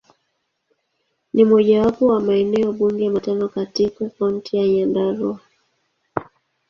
Ni mojawapo wa maeneo bunge matano katika Kaunti ya Nyandarua.